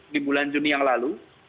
di bulan juni yang lalu